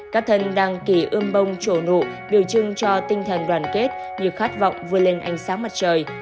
các thân đang kỷ ươm bông trổ nụ điều trưng cho tinh thần đoàn kết nhiều khát vọng vươn lên ánh sáng mặt trời